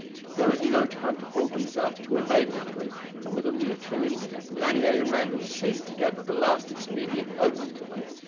There was no time to halt themselves, to evade the three, and with a mutual instinct Lanier and Randall seized together the last expedient open to them.